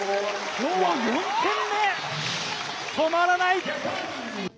きょう４点目止まらない。